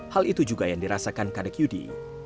hal itu juga yang dirasakan kadek yudi